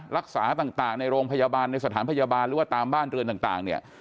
รักษาต่างในโรงพยาบาลในสถานพยาบาลหรือว่าตามบ้านเรือนต่างเนี่ย